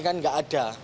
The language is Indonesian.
karena memang selama ini